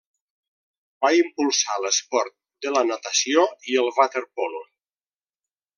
Va impulsar l'esport de la natació i el waterpolo.